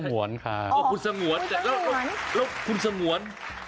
สมวนค่ะน้องคุณสมวน